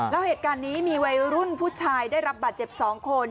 แล้วเหตุการณ์นี้มีวัยรุ่นผู้ชายได้รับบาดเจ็บ๒คน